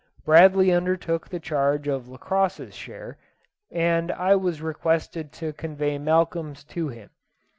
Bradley undertook the charge of Lacosse's share, and I was requested to convey Malcolm's to him.